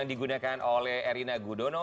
digunakan oleh erina gudono